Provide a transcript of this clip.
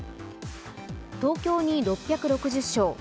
東京に６６０床